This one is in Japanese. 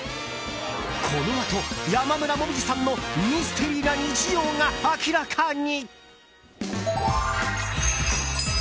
このあと、山村紅葉さんのミステリーな日常が明らかに！